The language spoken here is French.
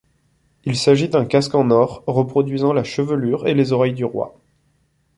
Il s'agit d'un casque en or, reproduisant la chevelure et les oreilles du roi.